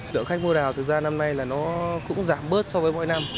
tưởng khách mua đào thật ra năm nay là nó cũng giảm bớt so với mỗi năm